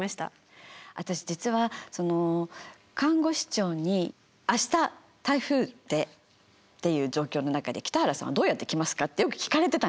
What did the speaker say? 私実は看護師長に「明日台風で」っていう状況の中で「北原さんどうやって来ますか？」ってよく聞かれてたんですよ。